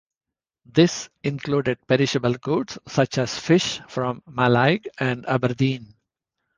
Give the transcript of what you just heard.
This included perishable goods, such as fish from Mallaig and Aberdeen.